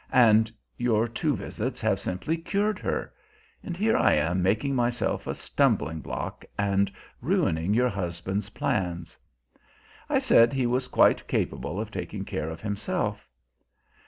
And your two visits have simply cured her! And here I am making myself a stumbling block and ruining your husband's plans!" I said he was quite capable of taking care of himself.